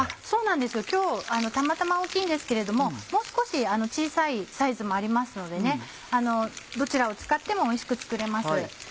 そうなんですよ今日たまたま大きいんですけれどももう少し小さいサイズもありますのでどちらを使ってもおいしく作れます。